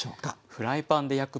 フライパンで焼ける。